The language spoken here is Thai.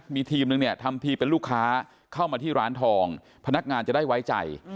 มีทีมนึงเนี่ยทำทีเป็นลูกค้าเข้ามาที่ร้านทองพนักงานจะได้ไว้ใจ